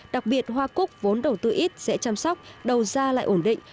đặc biệt hoa cúc vốn đầu tư ít dễ chăm sóc đầu da lại ổn định